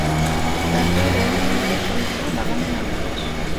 তার পরে দোঁহে মিলে চলত বাগানের নানা কাজ।